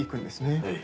はい。